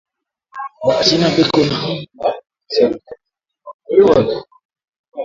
Ba china beko na katisha na kazi bila kupumuzika